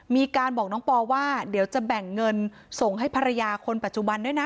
มีการบอกน้องปอว่าเดี๋ยวจะแบ่งเงินส่งให้ภรรยาคนปัจจุบันด้วยนะ